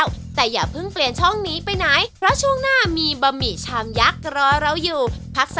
วันนี้ขอบคุณพี่กรมากเลยครับผม